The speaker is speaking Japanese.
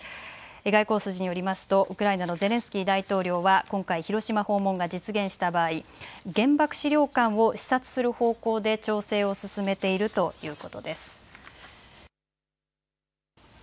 外交筋によりますとウクライナのゼレンスキー大統領は今回、広島訪問が実現した場合、原爆資料館を視察する方向で調整を進めているということです。